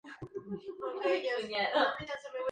Solo logró ganar un cuarto de todos sus partidos.